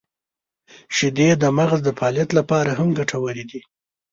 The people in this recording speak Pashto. • شیدې د مغز د فعالیت لپاره هم ګټورې دي.